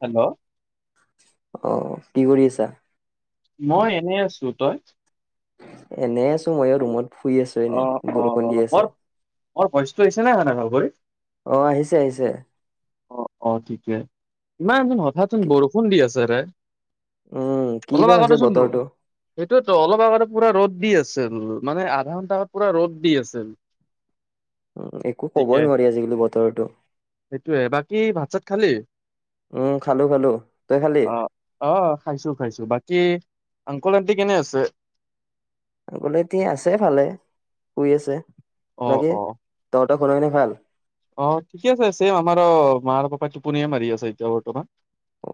Hello. অ কি কৰি আছা? মই এনেই আছো। তই? এনেই আছো মই ৰুমত শুই আছো অ এনে অ বৰষুণ দি মোৰ আছে। মোৰ ভয়চটো আহিছে নাই হয়নে ভালকৈ। অ আহিছে আহিছে। অঁ, অঁ ঠিকেই, ইমান দিন হঠাৎচুন কি বৰষুণ দি আছে ৰে উম কি বা হৈছে বতৰটো? সেইটোৱেতো অলপ আগতে পুৰা ৰ'দ দি আছিল। মানে আধা ঘণ্টা আগত পুৰা ৰ'দ দি আছিল। উম, একো ঠিকে কবই নোৱাৰি আজিকালি বতৰটো। ভাত‌ চাত খালি? উম খালো খালো তই খালি অ, অহ খাইছো খাইছো বাকী আংকুল আন্টি কেনে আছে? আংকল আন্টি আছে ভালে, শুই আছে। অ বাকী অ তত ঘৰৰ পিনে ভাল? অ ঠিকে আছে চেম আমাৰো মা পাপাই টোপনিয়ে মাৰি আছে এতিয়া বৰ্তমান।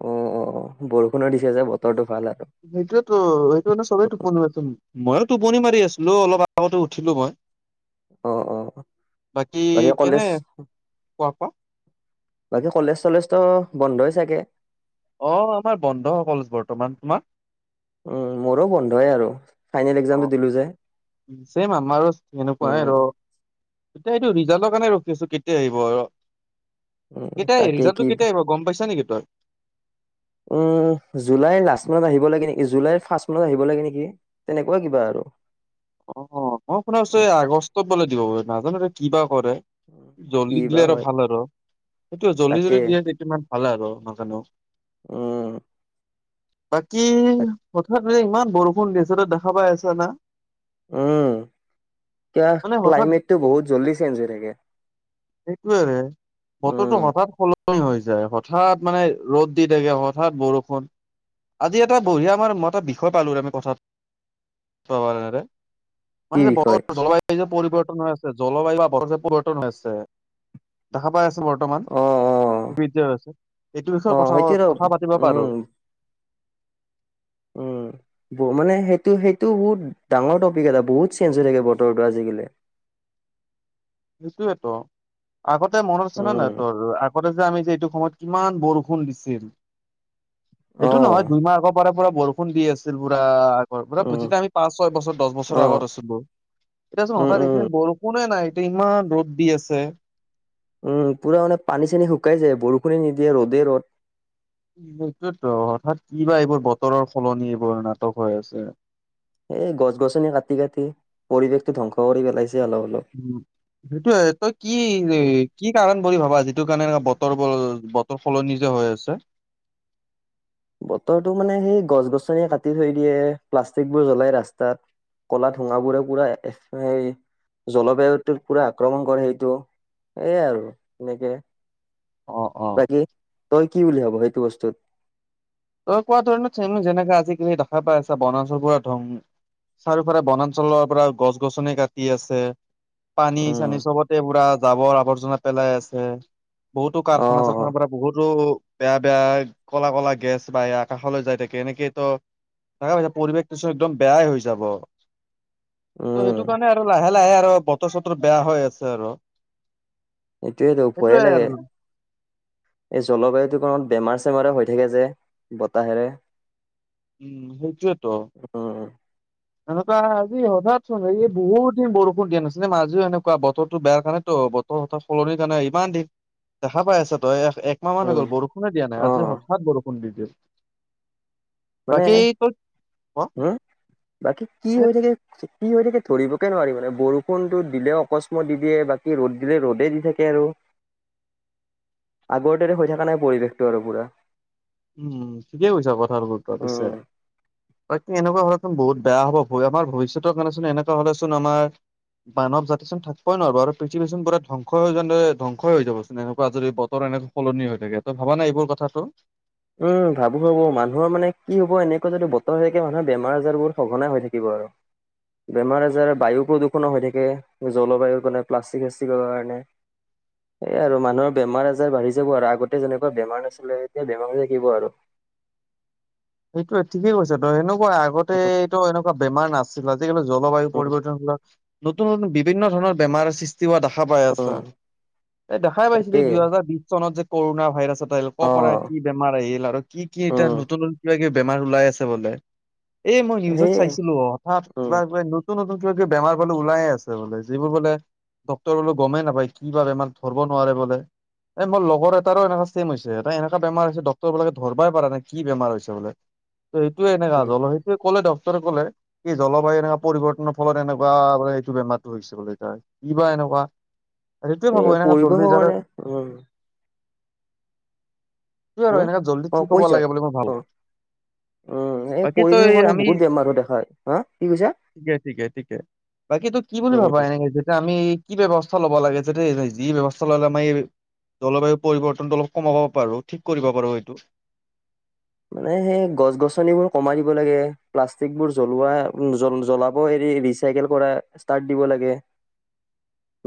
অ অ বৰষুণৰ দিছে যে বতৰটো ভাল আৰু সেইটোয়েতো সেইটো কাৰনে চবেই টোপনি মাৰি আছে। ময়ো টোপনি মাৰি আছিলোঁ। অলপ আগতে উঠিলো মই। অহ, অ বাকী কলেজ খোৱা খোৱা? বাকী কলেজ-চলেজ তো বন্ধই চাগে? অ' আমাৰ বন্ধসকলো বৰ্তমান তোমাৰ? উম, মোৰো বন্ধই আৰু। ফাইনেল এক্জামটো অ দিলো যে চেম্‌ আমাৰো উম সেনেকুৱাই আৰু। এতিয়া এইটো ৰিজাল্টৰ কাৰণে ৰখি আছো কেতিয়া আহিব আৰু। উম কেতিয়া তাকে ৰিজাল্টটো কি কেতিয়া আহিব গম পাইছ নেকি তই? উম জুলাইৰ লাষ্ট মানত আহিব লাগে। নেকি জুলাইৰ ফাৰ্ষ্ট মানত আহিব লাগে নেকি তেনেকুৱা কিবা আৰু। অ মই শুনা পাইছো এই আগষ্টত বোলে দিব বোলে নাজানো কিবা কৰে, কি জল্দি দিলে বা আৰু হয় ভাল আৰু সেইটো জল্দি তাকে যদি দিয়ে ভাল আৰু নাজানো উম। বাকি, তাক পথাৰ ফালে ইমান বৰষুণ দিছে তই দেখা পাই আছ' না? উম' ক মানে হঠাৎ ক্লাইমেটটো বহুত জল্দি চেঞ্জ হৈ থাকে। সেইটোয়েৰে উম, বতৰটো হঠাৎ সল নি হৈ যায় হঠাৎ মানে ৰ'দ দি থাকে হঠাৎ বৰষুণ। আজি এটা বঢ়িয়া আমাৰ মই এটা বিষয় পালো আমি কথা পাতাৰ কাৰণে কি মানে যে বিষয় বতৰ, জলবায়ু যে পৰিব পৰিৱৰ্তন হৈ আছে, জলবায়ু বা পৰিৱৰ্তন হৈ আছে, দেখা পাই আছো বৰ্তমান, অ', অ', বিদ্যা হৈ আছে, এইটো বিষয়ে অ', কথা সেইটো ৰ কথা পাতিবা পাৰো। উম, উম, মানে সেই সেইটো সেইটো বহুত ডাঙৰ টপিক এটা বহুত চেঞ্জ হৈ থাকে বতৰটো আজিকালি। সেইটোয়েতো, আগতে মনত আছে নে নাই উম, তোৰ আগতে যে আমি যে এইটো সময়ত কিমান বৰষুণ দিছিল। এইটো নহয় অ', দুইমাহ আগৰ পৰা পুৰা বৰষুণ দি আছিল পুৰা উম, যেতিয়া আমি পাচ ছয় বছৰ দহ বছৰ অ', আগত আছিলো এতিয়াচুন উম, হঠাৎ এইখিনি উম। বৰষুণে নাই ইমান ৰ'দ দি আছে। উম, পুৰা মানে পানী চানী শুকাই যায়, বৰষুণে নিদিয়ে ৰ'দে ৰ'দ। সেইটোয়েটো হঠাৎ কিবা এইবোৰ বতৰৰ সলনি এইবোৰ নাটক হৈ আছে। এই গছ -গছনি কাটি কাটি পৰিৱেশটো ধ্বংস কৰি পেলাইছে। অলপ অলপ। উ সেইটোয়ে তই কি উম। কি কাৰণ বুলি ভাবা যিটো কাৰণে এ বতৰ বতৰ সলনি যে হৈ আছে। বতৰটো মানে সেই গছ গছনিয়ে কাটি থৈ দিয়ে, প্লাষ্টিক বোৰ জ্বলাই ৰাস্তাত কলা ধোঁৱাবোৰে পুৰা সেই জলবায়ুটো পুৰা আক্ৰমণ কৰে সেইটো সেয়ে আৰু এনেকে অ', অ'। বাকি তই কি বুলি ভাব সেইটো বস্তুত? তই কোৱা ধৰণে চেম যেনেকা আজিকালি দেখা পাই আছা, বনাঞ্চল পুৰা ধন [unintelligible] চাৰিওফালে বনাঞ্চলৰ পৰা গছ গছনি কাটি আছে। পানী উম চানী চবতে পুৰা জাৱৰ আৱৰ্জনা পেলাই আছে। বহুতো অ কাৰখানা চাৰখানাৰ পৰা বহুতো বেয়া বেয়া কলা কলা গেছ বাই আকাশলৈ যাই থাকে। এনেকে ত তাকে হৈছে পৰিৱেশটো চোন একদম বেয়াই হৈ যাব। ত' সেইটো উম কাৰণে আৰু লাহে লাহে আৰু বতৰ- চতৰ বেয়া হৈ আছে আৰু এইতোয়েইটো ভয়েই সেইটোয়ে আৰু লাগে এই জলবায়ুটোৰ কাৰণ বেমাৰ চে গৰম হৈ থাকে যে বতাহেৰে উম, সেইটোৱেটো উম এনেকোৱা আজি সদায়চোন ৰদ বহুত দিন বৰষুণ দিয়া নাছিলে, মাজে এনেকোৱা বতৰটো বেয়া কাৰণেতো বতৰ বতৰ সলনিৰ কাৰণে ইমান দিন দেখা পাই আছ তই এক মাহ মান হৈ উম গ'ল বৰষুণে দিয়া নাই অ আজি হঠাৎ বৰষুণ দি দিলে। মানে বাকি তই ক হম বাকী কি হৈ থাকে কি হৈ থাকে ধৰিবকে নোৱাৰি মানে বৰষুণতো দিলেও অকস্মাত দি দিয়ে বাকী ৰ'দ দিলে ৰ'দে দি থাকে আৰু। আগৰ দৰে হৈ থকা নাই পৰিৱেশটো আৰু পুৰা। উম ঠিকে কৈছা কথাটো তই পিছে উম তাকে এনেকোৱা হলেচোন বহুত বেয়া হ'ব আমাৰ ভৱিষ্যতৰ কাৰণে এনেকা চোন হ'লেচোন আমাৰ মানৱ জাতি চোন থাকই নোৱাৰ আৰু পৃথিৱী চন পুৰা ধ্বংস হৈ য ধ্বংস হৈ যাবচোন এনেকোৱা যদি বতৰ তেনেক সলনি হৈ থাকে ত' ভবা নাই এইবোৰ কথাটো উম ভাবো হ'ব মানুহৰ মানে কি হ'ব এনেকোৱা যদি বতৰ হৈ থাকে মানুহৰ বেমাৰ আজাৰ বহুত সঘনে হৈ থাকিব। হয় বেমাৰ আজাৰ বায়ু, প্ৰদূষণো হৈ থাকে জলবায়ুৰ, কাৰণে প্লাষ্টিক, চাষ্টিকৰ কাৰণে- সে আৰু মানুহৰ বেমাৰ আজাৰ বাঢ়ি যাব আৰু আগতে যেনেকোৱা বেমাৰ নাছিলে এতিয়া বেমাৰ থাকিব আৰু সেইটোয়ে ঠিকেই কৈছা ত সেনেকোৱা আগতে উম এইটো এনেকোৱা বেমাৰ নাছিল বাত তেতিয়াহলে জলবায়ু উম পৰিৱৰ্তন নতুন নতুন বিভিন্ন ধৰণৰ বেমাৰৰ সৃষ্টি হোৱা দেখা পাই আছা উম এই দেখাই পাইছিলো এই তাকেই দুইহেজাৰ বিশ চনত যে কৰোনা ভাইৰাছ অ ক' পৰা কি বেমাৰ আহিল আৰু কি কি এতিয়া উম নতুন নতুন কিবা কিবি বেমাৰ ওলাই আছে বোলে এ মই নিউজত সেইয়ে চাইছিলো অ হঠাৎ উম কিবা কিবা নতুন- নতুন বেমাৰ পালো ওলাইয়ে আছে বোলে যিবোৰ বোলে ডক্তৰ বোলে গমেই নাপায় কি বা বেমাৰ ধৰিব নোৱাৰে বোলে এই মোৰ লগৰ এটাৰো এনেকা চেইম হৈছে এটা এনেকা বেমাৰ হৈছে ডক্তৰ বিলাকে ধৰিবই পৰা নাই কি বেমাৰ হৈছে ত বোলে ত এইটোয়ে এনেকা উম জল সেইটোয়ে ক'লে দক কলে এই জলবায়ু এনেকোৱা পৰিৱৰ্তনৰ ফলত এনেকোৱা এইটো বেমাৰটো হৈছে বুলিলে কিবা এনেকোৱা কোৱা সেইটোয়ে ভাবো এই এনেকাে পৰিৱেশৰ জল্দি কাৰণে যাতে- উম সেইটোৱে আৰু উম এনেকা জল্দি অ ঠিক হ'ব কৈছা লাগে বুলি মই ভাবো অ উম এই বাকী পৰিৱেশৰ তই কাৰণে আমি বহুত বেমাৰ হ দেখা হা কি কৈছা বাকীটো কি বুলি ভাবা উম এনেকা আমি কি ব্যৱস্থা ল'ব লাগে যে দেই যি ব্যৱস্থা ললে আমাৰ জলবায়ু পৰিৱৰ্তনটো অলপ কমাব পাৰো ঠিক কৰিব পাৰো সেটো [inaudible] মানে সেই গছ গছনিবোৰ কমাই দিব লাগে প্লাষ্টিক বোৰ জ্বলোৱা জ জ্বলাব এৰি ৰিচাইকেল কৰা ইষ্টাত দিব লাগে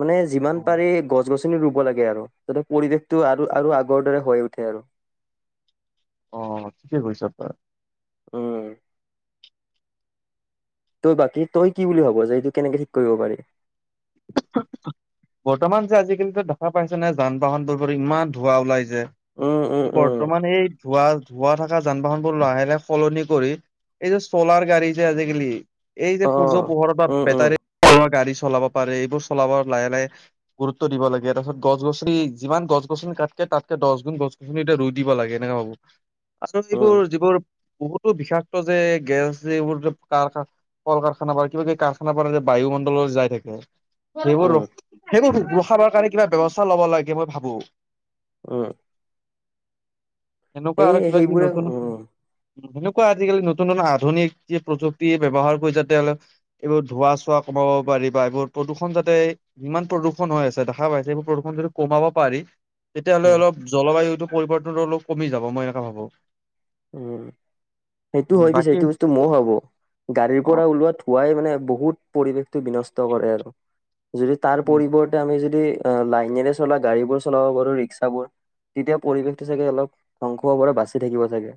মানে অ যিমান পাৰি গছ- গছনি ৰুব লাগে আৰু যাতে পৰিৱেশটো আৰু আৰু আগৰ দৰে হৈ উঠে আৰু অ ঠিকে কৈছা তই। উম তই বাকী তই কি বুলি ভাব যে এইটো কেনেকে ঠিক কৰিব পাৰি বৰ্তমান যে আজিকালি দেখা পাইছে নে যান বাহনবোৰোৰ ইমান ধোঁৱা ওলাই যে উম উম কিন্তু উম বৰ্তমান এই ধোঁৱা ধাৱো থকা যান বাহন বোৰ লাহে লাহে সলনি কৰি এই যে চলাৰ গাড়ী যে আজিকালি- এই যে অ সূৰ্য পোহৰৰ উম পৰা উম বেটাৰী গাড়ী চলাব পাৰে এইবোৰ চলাব লাহে লাহে। গুৰুত্ব দিব লাগে তাৰপিছত গছনি যিমান গছ গছনি কাটকে তাতকে দছ গুণ গছ গছনি ৰুই দিব লাগে এনে হ'ব আচলতে উম এইবোৰ যিবোৰ বহুতো বিষাক্ত যে গেছ যে এইবোৰ যে কাৰ কল, কাৰখান, পৰা কিবা কিব কাৰখান পাৰ যে বায়ুমণ্ডলো যাই থাকে সেইবোৰ উম সেইবোৰ ৰখাবৰ কাৰণে কিবা ব্যৱস্থা লব লাগে মই ভাবো। উ সেনেকুৱা আৰু কিবা কিবি নতুন উম কোৱা আজিকালি নতুন নতুন আধুনিক যি প্ৰযুক্তি ব্যৱহাৰ কৰি যাতে এইবোৰ ধোৱা চোৱা কমাব- পাৰি‌ বা এইবোৰ প্ৰদূষণ যাতে যিমান প্ৰদূৰষণ হৈ আছে দেখা পাইছে এইবোৰ প্ৰদূৰ্ষণ যদি কমাব পাৰি তেতিয়াহ'লে উম অলপ জলবায়ুতটো। পৰিৰ্তনো অলপ কমি যাব মই এনেকুৱা ভাবো উম সেইটো উম হয় পিছে বাকী সেইটো বস্তু মই হব গাড়ীৰ অ, পৰা ওলোৱা ধুৱাই মানে বহুত পৰিৱেশটো বিনষ্ট কৰে আৰু যদি তাৰ উম, পৰিৱৰ্তে আমি যদি যদি লাইনেৰে চলা গাড়ী বোৰ চলাব পাৰো ৰিক্সাবোৰ তেতিয়া পৰিৱেশটো চাগে অলপ ধ্বংস হবৰে বাচি থাকিব চাগে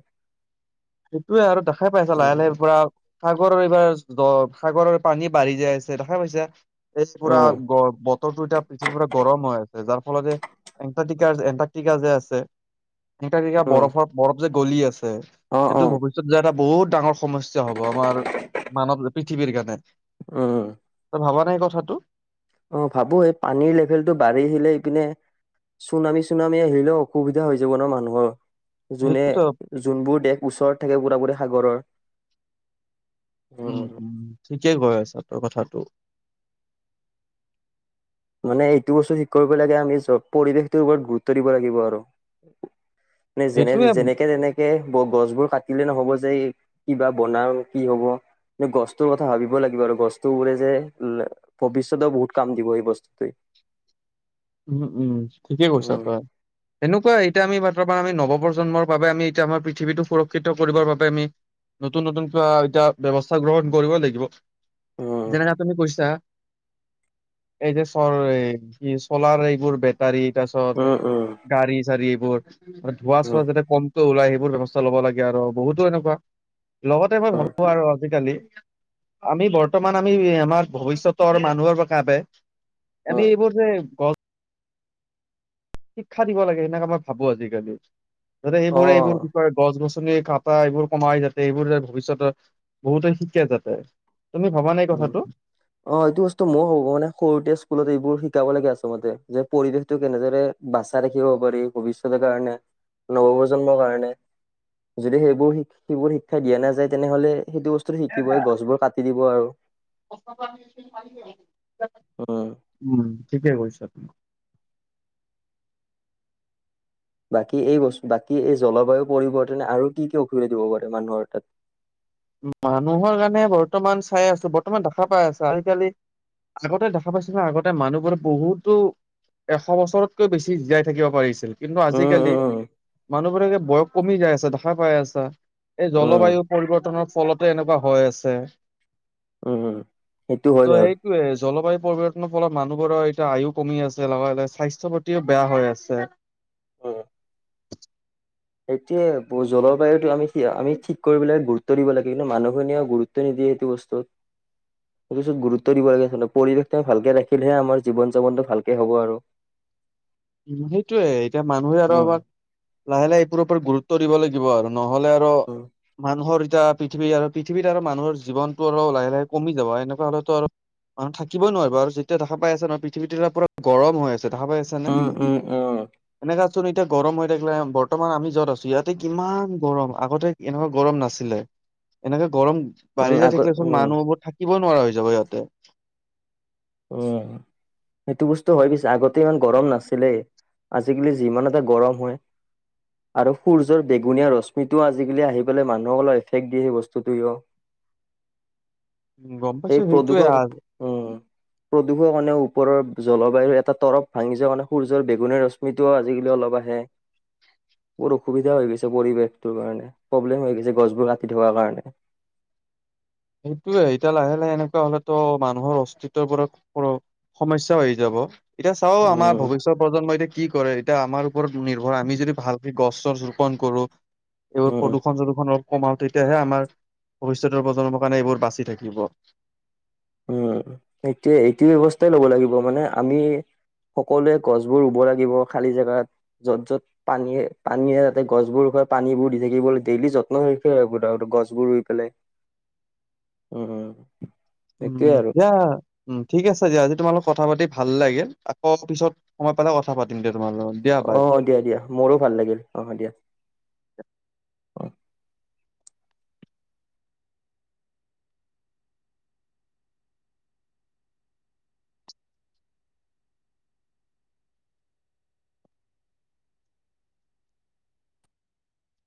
সেইটোয়ে আৰু দেখাই পাইছা লাহে লাহে উম, পুৰা- সাগৰৰ এইবাৰ সাগৰৰ পানী বাঢ়ি যাই আছে দেখা পাইছে। এই পুৰা উম, গ বতৰটো এতিয়া পৃথিৱীৰ পৰা গৰম হৈ যাৰ ফল এণ্টাৰ্টিকাৰ এণ্টাৰ্টিকা যে আছে এনটাৰ্টিকা উম, বৰফৰ বৰফ যে গলি আছে অ', এইটো অ', ভৱিষ্যয়ত যে এটা বহুত ডাঙৰ সমস্যা হব আমাৰ মানৱ পৃথিৱীৰ কাৰণে উম। ত ভাবা নাই কথাটো অ ভাবো এই পানীৰ লেবেলটো বাঢ়ি আহিলে ইপিনে। চুনামী চুনামি আহিলেও অসুবিধা হৈ যাব ন মানুহৰ যোনে সেইটোতো যোনবোৰ দেশ ওচৰত থাকে পুৰা পুৰি সাগৰৰ উম উম ঠিকে কৈ আছা তই কথাটো মানে এইটো বস্তু ঠিক কৰিব লাগে আমি চ পৰিবেশটোৰ ওপৰত গুৰুত্ব দিব লাগিব আৰু নে যেনে সেইটোয়ে যেনেকে তেনেকে গছবোৰ কাটিলে নহ'ব যে ই কিবা বনাও কি হ'ব। গছটোৰ কথা ভাবিব লাগিব আৰু গছতটো উৰে যে ভৱিষ্যতেও বহুত কাম দিব এই বস্তু টোৱে উম উম ঠিকেই কৈছা তই। সেনেকুৱা এতিয়া আমি বাত আমি নৱ প্ৰজন্মৰ বাবে আমি এতিয়া আমাৰ পৃথিৱীটো সুৰক্ষিত কৰিবৰ বাবে আমি। নতুন নতুন কিবা এতিয়া ব্যৱস্থা গ্ৰহণ কৰিব লাগিব। উম যেনেকা তুমি কৈছা এই যে চৰ এই চলাৰ এইবোৰ বেটাৰী তাৰ পিছত উম উম গাড়ী চাৰি এইবোৰ ধোৱা চোৱা উম যাতে কমকে ওলাই সেইবোৰ ব্যৱস্থা ল'ব লাগে আৰু বহুতো এনেকুৱা লগতে মই উম ভাবো আৰু আজিকালি আমি বৰ্ত বৰ্তমান আমি আমাৰ ভৱিষ্যতৰ মানুহৰ পৰা কাবে আমি উম এইবোৰ যে শিক্ষা দিব লাগে সেনেকা মই ভাবো আজিকালি যাতে অ সেইবোৰে এইবোৰ বিষয় গছ গছ কাট এইবোৰ কমাই যাতে এইবোৰ ভৱিষ্যতৰ বহুতে শিকে যাতে। তুমি ভবা নাই উ কথাটো অ এইটো বস্তু মই হ'ব মানে সৰুতে স্কুলত এইবোৰ শি শিকাব লাগে আচলতে যে পৰিৱেশতটো কেনেদৰে বাচাই ৰাখিব পাৰি ভৱিষ্যতৰ কাৰণে। নৱপ্ৰজন্মৰ কাৰণে যদি সেইবোৰ সেইবোৰ শিক্ষা দিয়া নাযায় তেনেহলে সেইটো বস্তু শিকিবই গছবোৰ কাটি দিব আৰু। উম উম ঠিকে কৈছা তুমি বাকী এই বস্তু বাকী এই জলবায়ু পৰিৱৰ্তনে আৰু কি কি অসুবিধা দিব পাৰে মানুহৰ তাত [inaudible] মানুহৰ কাৰণে বৰ্তমান চাই আছো বৰ্তমান দেখা পাই আছো আজিকালি আগতে দেখা পাইছিলো ন আগতে মানুহবোৰে বহুতো- এশ বছৰতকৈ বেছি জীয়াই থাকিব পাৰিছিল কিন্তু উম আজিকালি উম মানুহবোৰে বয়স কমি যাই আছে দেখা পাই আছে এই উম জলবায়ু পৰিৱৰ্তনৰ ফলতে এনেকুৱা হৈ আছে। উম উম সেইটো হয় ত বাৰু সেইটোৱে জলবায়ু পৰিৱৰ্তন ফলত মানুহবোৰৰ এতিয়া আয়ু কমি আছে লগে লগে স্বাস্থ্য প্ৰতিও বেয়া হৈ আছে। অ [unintelligible] এতিয়া জল বায়ুটো আমি আমি ঠিক কৰিবাই গুৰুত্ব দিব লাগে কি কিন্তু মানুহখিনিয়ও গুৰত্ব নিদিয়ে সেইটো বস্তুত- ত গুৰুত্ব দিব লাগে আ পৰিৱেশটোমি ভালকে ৰাখিলে আমাৰ জীৱন যাপনটো ভালকে হ'ব আৰু [unintelligible] উ সেইটোয়ে এতিয়া মানুহে আৰু উম আমাক লাহে লাহে এইবোৰ ওপৰত গুৰুত্ব দিব লাগিব আৰু নহলে আৰু উম মানুহৰ এতিয়া। পৃথিৱী আৰু পৃথিৱীত আৰু মানুহৰ জীৱনতটো আৰু লাহে লাহে কমি যাব এনেকুৱা হ'লেতো আৰু মানুহ থাকিবই নোৱাৰাৰে বাৰ আৰু যেতিয়া দেখা পাই আছে নহয় পৃথিৱীটো এ পুৰা গৰম হৈ আছে দেখা পাই আছে নে অ চোন এতিয়া গৰম হৈ থাকিলে বৰ্তমান আমি যত আছো, ইয়াতে কিমান গৰম, আগতে এনেকুৱা গৰম নাছিলে। এনেকে গৰম উম বাঢ়ি যাই আকৌ থাকিলেচোন উম মানুহবোৰ থাকিবই নোৱাৰা হৈ যাব ইয়াতে। উ সেইটো বস্তু হয় পিছে আগতে ইমান গৰম নাছিলেই, আজিকালি যিমান এটা গৰম হয় আৰু সূৰ্যৰ বেঙুনীয়া ৰশ্মিটোও আজিকালি আহি পেলাই মানুহক অলপ এফেক্ট দিয়ে সেই বস্তুটোৱে উম, গম এই পাইছো সেইটোয়ে প্ৰদূষক আ উম সেতো কাৰনে ওপৰৰ জলবায়ুৰ এটা তৰফ ভাঙি যোৱা মানে সূৰ্যৰ বেঙুনীয়া ৰশ্মিৰ আজিকালি অলপ আহে বৰ অসুবিধা হৈ গৈছে পৰিৱেশটোৰ কাৰণে প্ৰব্লেম হৈ গৈছে গছবোৰ কাটি থকাৰ কাৰণে [inaudible] সেইটোয়ে এতিয়া লাহে লাহে এনেকুৱা হলে তো মানুহৰ অস্তিত্বৰ পৰা কৰ সমস্যা হৈ যাব এতিয়া চাওঁ আমাৰ উম ভৱিষ্যৰ প্ৰজন্মই এতিয়া কি কি কৰে এতিয়া আমাৰ ওপৰত নিৰ্ভৰ আমি যদি ভালকে গছ চছ ৰোপন কৰো এই উম প্ৰদূষণ প্ৰদূষণ অলপ কমাও তেতিয়াহে আমাৰ ভৱিষ্যতৰ প্ৰজন্ম মানে এইবোৰ বাচি থাকিব। উম এটোয়ে এইটো ব্যৱস্থাই লব লাগিব মানে আমি সকলোৱে গছবোৰ ৰুব লাগিব খালি জেগাত য'ত য'ত পানীয়ে পানীয়ে যাতে গছবোৰ পানীবোৰ দি থাকিব লাগে ডেইলি যত্ন লৈ থাকিব লাগে গছ বোৰ ৰুই পেলাই উম উম উম, দিয়া উম ঠিক আছে দিয়া আজি তোমালত কথা পাতি ভাল লাগে। আকৌ পিছত সময় পালে কথা পাতিম দে। আহ দিয়া, দিয়া মোৰো ভাল লাগিল আহ দিয়া। অ